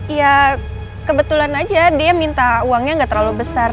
ya kebetulan aja dia minta uangnya nggak terlalu besar